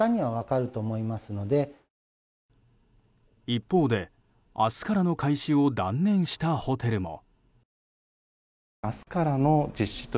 一方で、明日からの開始を断念したホテルも。